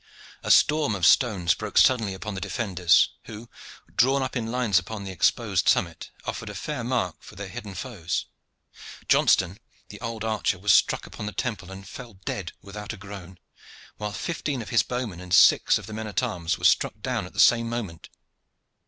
A storm of stones broke suddenly upon the defenders, who, drawn up in lines upon the exposed summit, offered a fair mark to their hidden foes. Johnston, the old archer, was struck upon the temple and fell dead without a groan, while fifteen of his bowmen and six of the men at arms were struck down at the same moment.